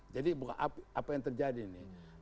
jadi apa yang terjadi nih